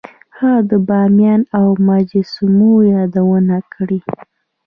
هغه د بامیان د مجسمو یادونه کړې